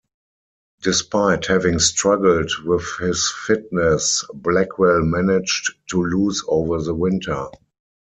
Despite having struggled with his fitness, Blackwell managed to lose over the winter.